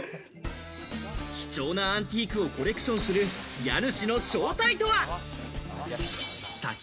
貴重なアンティークをコレクションする家主の正体とは？